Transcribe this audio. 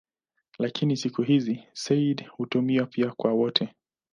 Lakini siku hizi "sayyid" hutumiwa pia kwa wote.